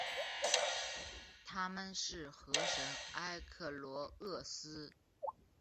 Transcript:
她们是河神埃克罗厄斯。